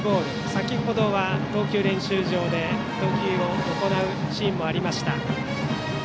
先程は投球練習場で投球を行うシーンもありました。